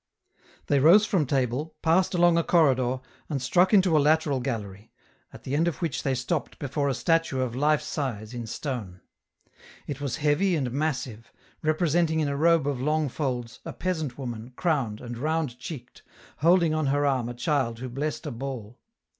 They rose from table, passed along a corridor, and struck into a lateral gallery, at the end of which they stopped before a statue of life size, in stone. It was heavy and massive, representing in a robe of long folds, a peasant woman, crowned, and round cheeked, holding on her arm a child who blessed a ball.